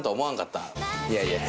いやいや。